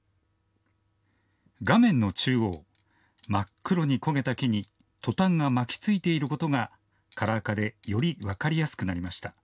画面の中央、真っ黒に焦げた木にトタンが巻きついていることがカラー化でより分かりやすくなりました。